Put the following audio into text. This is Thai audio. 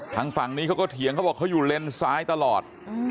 ทางฝั่งนี้เขาก็เถียงเขาบอกเขาอยู่เลนซ้ายตลอด